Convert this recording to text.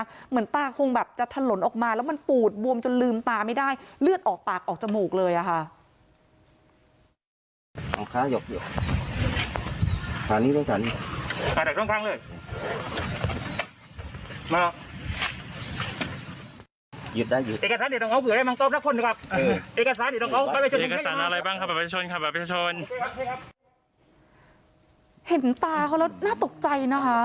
คือทำไมมันถึงปูดบวมได้ขนาดนี้